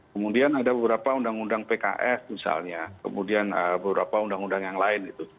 kemudian ada beberapa undang undang pks misalnya kemudian beberapa undang undang yang lain gitu